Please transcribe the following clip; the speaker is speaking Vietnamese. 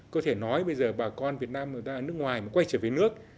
có thể nói bây giờ bà con việt nam người ta ở nước ngoài mà quay trở về nước